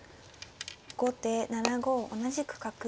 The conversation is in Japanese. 後手７五同じく角。